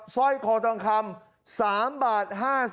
สร้อยคอทองคำ๓บาท๕๐